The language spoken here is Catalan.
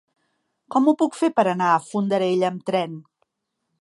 Com ho puc fer per anar a Fondarella amb tren?